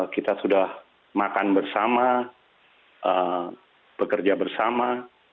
kita sudah makan bersama bekerja bersama